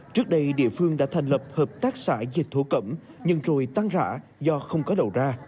trước đây địa phương đã thành lập hợp tác xã dịch thổ cẩm nhưng rồi tăng rã do không có đầu ra